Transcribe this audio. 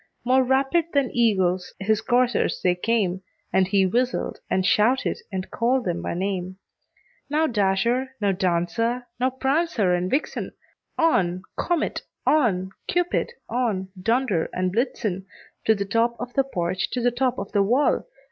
More rapid than eagles his coursers they came, And he whistled, and shouted, and called them by name; "Now, Dasher! now, Dancer! now, Prancer and Vixen! On! Comet, on! Cupid, on! Dunder and Blitzen To the top of the porch, to the top of the wall!